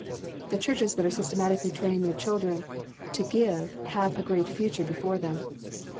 The churches that are systematically training their children to give have a great future before them.